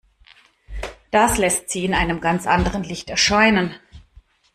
Das lässt sie in einem ganz anderem Licht erscheinen.